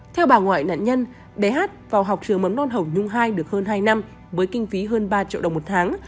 theo bà ngoại nạn nhân bé hát vào học trường mầm non hồng nhung hai được hơn hai năm với kinh phí hơn ba triệu đồng một tháng